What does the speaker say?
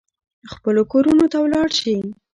خپلو کورونو ته ولاړ شي.